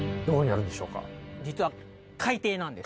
実は海底なんです！